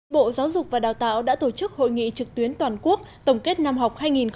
bộ giáo dục và đào tạo đã tổ chức hội nghị trực tuyến toàn quốc tổng kết năm học hai nghìn một mươi tám hai nghìn một mươi chín